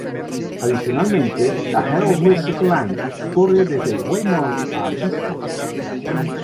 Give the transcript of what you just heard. Adicionalmente, la Heart of Wessex Line corre desde Weymouth a Bristol.